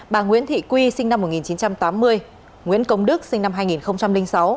bà nguyễn thị quy sinh năm một nghìn chín trăm tám mươi nguyễn công đức sinh năm hai nghìn sáu